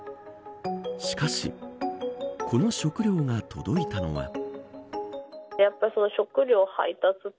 しかしこの食料が届いたのは。